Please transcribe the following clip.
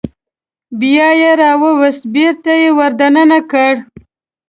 بیا یې راوویست بېرته یې ور دننه کړ.